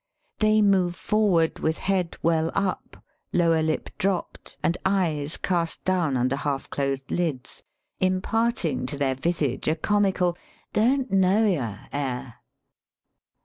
They move forward with head well up, lower lip dropped, and eyes cast down under half closed lids, imparting to their visage a comical " don't know yah " air.